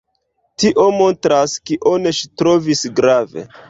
Tio montras, kion ŝi trovis grave.